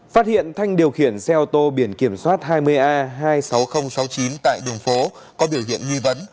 phát hiện thanh điều khiển xe ô tô biển kiểm soát hai mươi a hai mươi sáu nghìn sáu mươi chín tại đường phố có biểu hiện nghi vấn